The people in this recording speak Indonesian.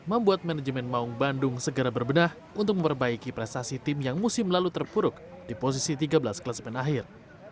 membuat manajemen maung bandung segera berbenah untuk memperbaiki prestasi tim yang musim lalu terpuruk di posisi tiga belas klasmen akhir